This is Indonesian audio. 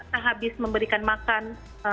tak habis memberikan makan